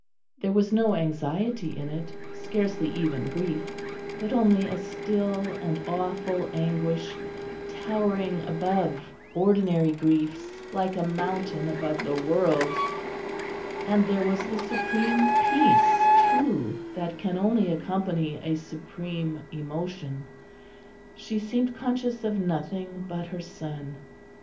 There was no anxiety in it; scarcely even grief; but only a still and awful anguish, towering above ordinary griefs like a mountain above the world; and there was the supreme peace too that can only accompany a supreme emotion she seemed conscious of nothing but her son.